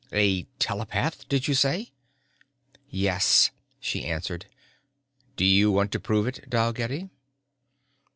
"A telepath, did you say?" "Yes," she answered. "Do you want to prove it, Dalgetty?"